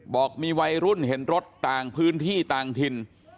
บอกมีวัยรุ่นเห็นรถต่างพื้นที่ต่างถิ่น